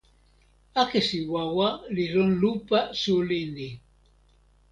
akesi wawa li lon lupa suli ni.